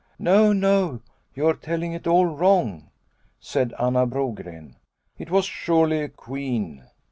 " No, no, you are telling it all wrong," said Anna Brogren. " It was surely a queen."